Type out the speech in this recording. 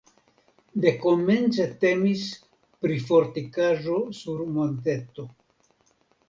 Dekomence temis pri fortikaĵo sur monteto.